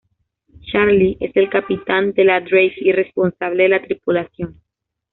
Charlie es el Capitán de la Drake y responsable de la tripulación.